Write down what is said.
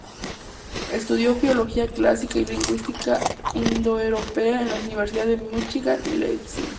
Estudió filología clásica y lingüística indoeuropea en las Universidades de Múnich y Leipzig.